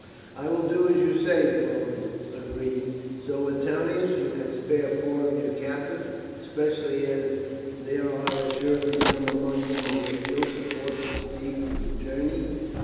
"I will do as you say," the Roman agreed. "Suetonius, you can spare four of your captives, especially as there are assuredly some among them who could ill support the fatigues of the journey.